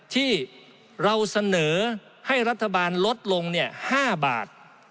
ที่เราเสนอให้รัฐบาลลดลง๕บาท